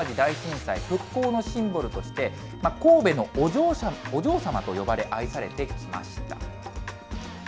こちらですね、阪神・淡路大震災復興のシンボルとして、神戸のお嬢様と呼ばれ、愛されてきました。